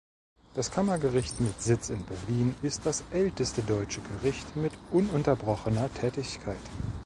Das Kammergericht mit Sitz in Berlin ist das älteste deutsche Gericht mit ununterbrochener Tätigkeit.